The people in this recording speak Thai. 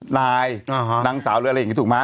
นายนางสาวหรืออะไรอย่างนี้ถูกไหม